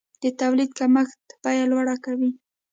د تولید کمښت بیه لوړه کوي.